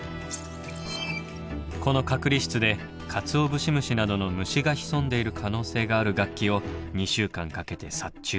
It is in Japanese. この隔離室でカツオブシムシなどの虫が潜んでいる可能性がある楽器を２週間かけて殺虫。